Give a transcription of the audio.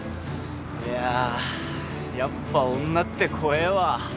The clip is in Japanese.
いやぁやっぱ女って怖えわ。